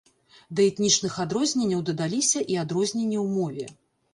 Да этнічных адрозненняў дадаліся і адрозненні ў мове.